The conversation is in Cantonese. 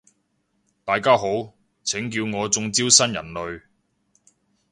大家好，請叫我中招新人類